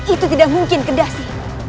itu tidak mungkin kedasi